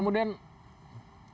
nggak ada yang menanggung